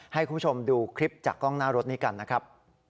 ให้คุณผู้ชมดูคลิปจากกล้องหน้ารถนี้กันนะครับ